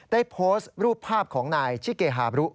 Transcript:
ได้โพสต์รูปภาพของนายชิเกฮาบรุ